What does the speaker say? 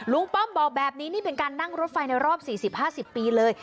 ป้อมบอกแบบนี้นี่เป็นการนั่งรถไฟในรอบ๔๐๕๐ปีเลย